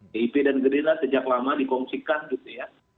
dip dan gerila sejak lama dikongsikan gitu ya